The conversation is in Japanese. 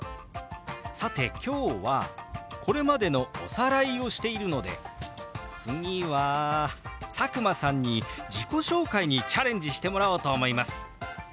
さて今日はこれまでのおさらいをしているので次は佐久間さんに自己紹介にチャレンジしてもらおうと思います。